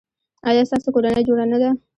ایا ستاسو کورنۍ جوړه نه ده؟